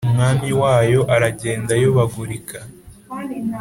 umwami wayo aragenda ayobagurika